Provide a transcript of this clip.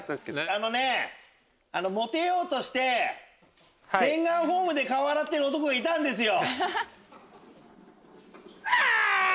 あのねモテようとして洗顔フォームで顔を洗ってる男がいたんですよ。